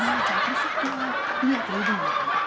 shhh jangan kesukaan